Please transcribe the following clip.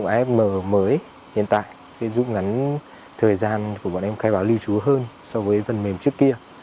afm mới hiện tại sẽ giúp ngắn thời gian của bọn em khai báo lưu trú hơn so với phần mềm trước kia